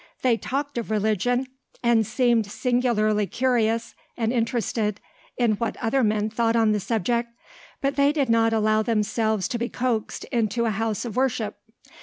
They talked of religion and seemed singularly curious and interested in what other men thought on the subject but they did not allow themselves to be coaxed into a house of worship.